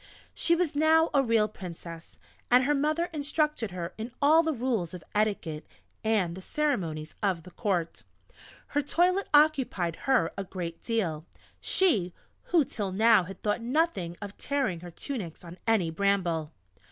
She was now a real Princess, and her mother instructed her in all the rules of etiquette and the ceremonies of the Court. Her toilet occupied her a great deal she, who till now had thought nothing of tearing her tunics on any bramble!